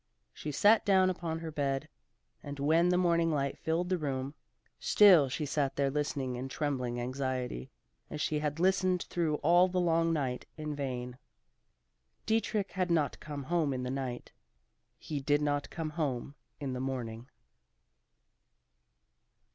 She sat down upon her bed, and when the morning light filled the room, still she sat there listening in trembling anxiety, as she had listened through all the long night; in vain. Dietrich had not come home in the night; he did not come in the morning.